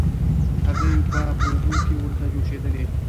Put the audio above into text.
هګۍ به په اوبو کې ورته جوشېدلې.